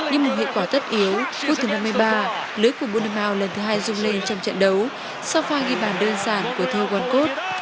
nhưng một hiệu quả tất yếu phút thứ năm mươi ba lưới của bonnemao lần thứ hai rung lên trong trận đấu sau pha nghi bản đơn giản của thơ wonkot